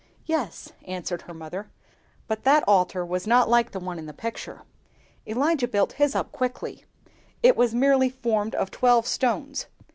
"Yes," answered her mother, "but that altar was not like the one in the picture. Elijah built his up quickly; it was merely formed of twelve stones.